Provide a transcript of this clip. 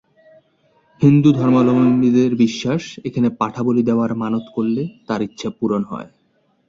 হিন্দু ধর্মাবলম্বীদের বিশ্বাস, এখানে পাঠা বলি দেওয়ার মানত করলে তাঁর ইচ্ছে পূরণ হয়।